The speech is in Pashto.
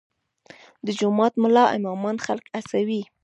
د جومات ملا امامان خلک هڅوي؟